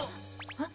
えっ？